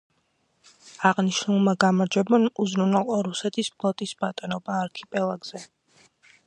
აღნიშნულმა გამარჯვებამ უზრუნველყო რუსეთის ფლოტის ბატონობა არქიპელაგზე.